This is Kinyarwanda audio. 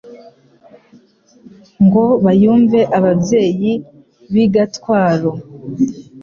Ngo bayumve ababyeyi b’i Gatwaro,